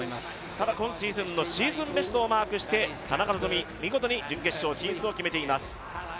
ただ、今シーズンのシーズンベストをマークして、田中希実、見事に準決勝進出を決めています。